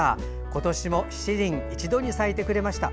今年も７輪一度に咲いてくれました。